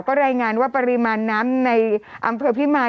กรมป้องกันแล้วก็บรรเทาสาธารณภัยนะคะ